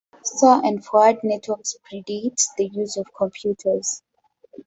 Store and forward networks predate the use of computers.